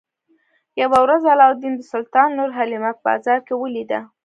یوه ورځ علاوالدین د سلطان لور حلیمه په بازار کې ولیده.